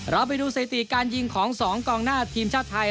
เราไปดูสถิติการยิงของ๒กองหน้าทีมชาติไทย